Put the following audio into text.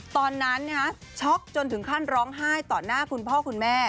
ตอนนั้นช็อกจนถึงขั้นร้องไห้ต่อหน้าคุณพ่อคุณแม่